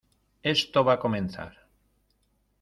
esto va a comenzar.